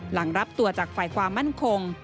หลังรับตัวจากฝ่ายความมั่นคง